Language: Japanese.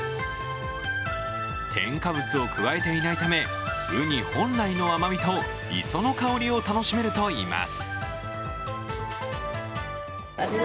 添加物を加えていないためウニ本来の甘みと磯の香りを楽しめるといいます。